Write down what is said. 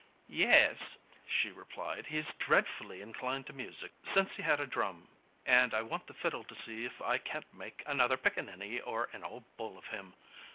"Yes," she replied; "he's dreadfully inclined to music since he had a drum, and I want the fiddle to see if I can't make another Pickaninny or an Old Bull of him.